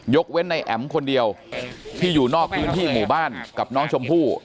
เว้นในแอ๋มคนเดียวที่อยู่นอกพื้นที่หมู่บ้านกับน้องชมพู่